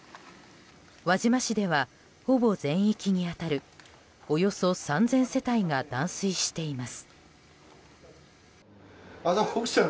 輪島市では、ほぼ全域に当たるおよそ３０００世帯が断水しています。